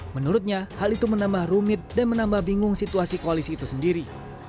menurutnya hal itu menambah rumit dan menambah bingung situasi koalisi itu sendiri